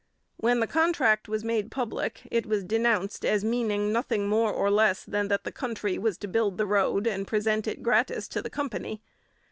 When the contract was made public it was denounced as meaning nothing more or less than that the country was to build the road and present it gratis to the company.